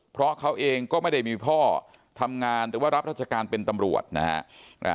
เพราะเขาเองก็ไม่ได้มีพ่อทำงานหรือว่ารับราชการเป็นตำรวจนะฮะ